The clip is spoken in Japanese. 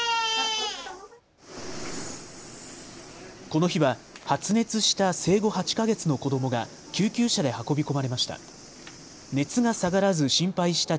この日は発熱した生後８か月の子どもが救急車で運び込まれました。